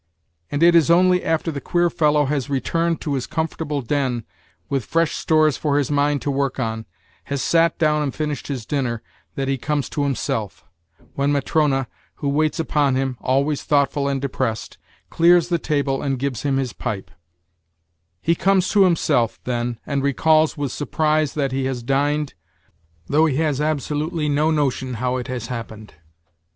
And it is only after the queer fellow has returned to his comfortable den with fresh stores for his mind to work on, has sat down and finished his dinner, that he comes to himself, when Matrona who waits upon him always thoughtful and depressed clears the table and gives him his pipe ; he comes to himself then and recalls with surprise that he has dined, though he has absolutely no notion how it has happened.